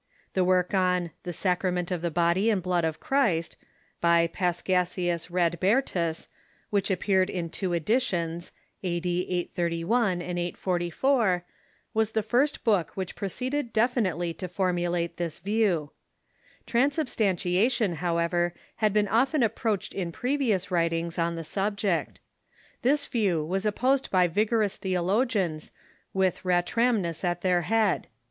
The work ^"suipe!' "^^"^^^^ Sacrament of the Body and Blood of Christ," by Paschasius Radbertus, which appeared in two edi tions (a.d. 831 and 844), was the first book which proceeded definitely to formulate this view. Transubstantiation, how ever, had been often approached in previous Avritings on the subject. This view was opposed by vigorous theologians, with Ratramnus at their head.